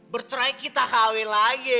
bercerai kita kawin lagi